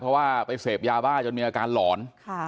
เพราะว่าไปเสพยาบ้าจนมีอาการหลอน